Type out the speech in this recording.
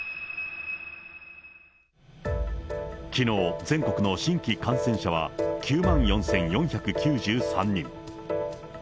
きのう、全国の新規感染者は、９万４４９３人。